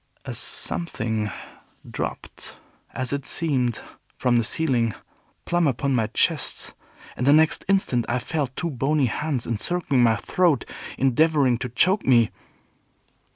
A Something dropped, as it seemed, from the ceiling, plumb upon my chest, and the next instant I felt two bony hands encircling my throat, endeavoring to choke me.